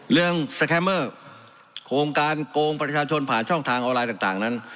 สแคมเมอร์โครงการโกงประชาชนผ่านช่องทางออนไลน์ต่างนั้น